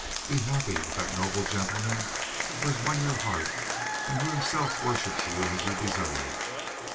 Be happy with that noble gentleman who has won your heart and who himself worships you as you deserve.